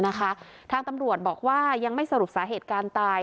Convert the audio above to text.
ทางตำรวจบอกว่ายังไม่สรุปสาเหตุการตาย